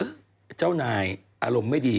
เจ้านายอารมณ์ไม่ดี